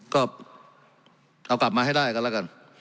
ก็เอากลับมาให้ได้กันแล้วกัน